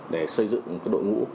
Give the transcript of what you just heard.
để xây dựng đội ngũ